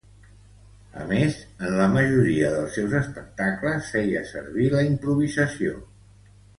A més, en la majoria dels seus espectacles feia servir la improvisació.